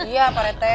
iya pak rete